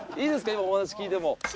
今お話聞いても。